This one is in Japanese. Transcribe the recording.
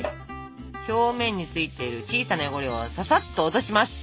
表面についてる小さな汚れをささっと落とします。